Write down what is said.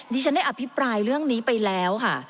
ดิฉันได้อภิปรายเรื่องนี้ไปแล้วค่ะ